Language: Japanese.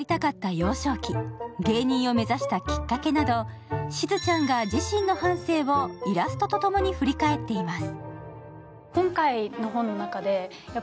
幼少期、芸人を目指したきっかけなどしずちゃんが自身の半生をイラストと共に振り返っています。